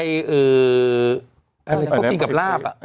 อะไรเอ๋ยเขากินกับลาบ